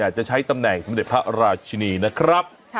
จะใช้ตำแหน่งสมเด็จพระราชินีนะครับ